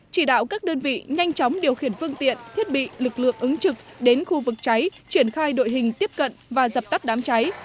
chỉ đạo các đơn vị nhanh chóng điều khiển phương tiện thiết bị lực lượng ứng trực đến khu vực cháy triển khai đội hình tiếp cận và dập tắt đám cháy